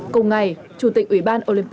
cùng ngày chủ tịch ủy ban olympic